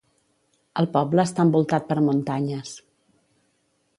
El poble està envoltat per muntanyes.